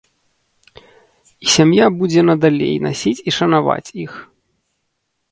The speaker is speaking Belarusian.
І сям'я будзе надалей насіць і шанаваць іх.